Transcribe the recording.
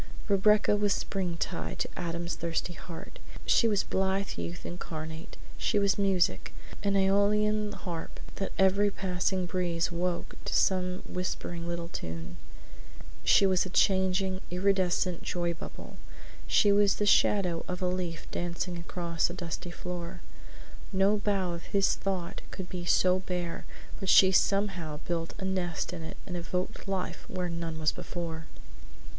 Rebecca was springtide to Adam's thirsty heart. She was blithe youth incarnate; she was music an Aeolian harp that every passing breeze woke to some whispering little tune; she was a changing, iridescent joy bubble; she was the shadow of a leaf dancing across a dusty floor. No bough of his thought could be so bare but she somehow built a nest in it and evoked life where none was before.